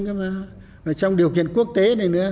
đó là điều kiện quốc tế